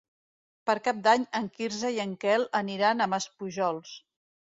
Per Cap d'Any en Quirze i en Quel aniran a Maspujols.